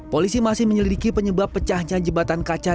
polisi masih menyelidiki penyebab pecahnya jembatan kaca